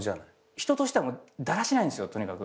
人としてだらしないんですよとにかく。